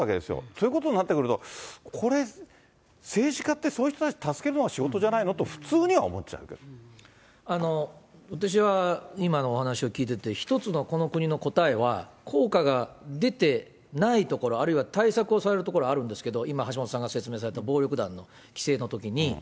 そういうことになってくると、これ、政治家ってそういう人たちを助けるのが仕事じゃないのって、私は今のお話を聞いてて、一つのこの国の答えは、効果が出てないところ、あるいは対策をされるところあるんですけれども、今、橋下さんが説明された暴力団の規制のときに。